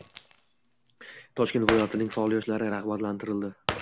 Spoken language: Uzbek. Toshkent viloyatining faol yoshlari rag‘batlantirildi